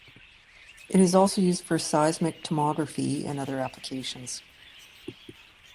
It is also used for Seismic tomography and other applications.